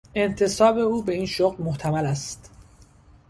انتصاب او به این شغل محتمل است.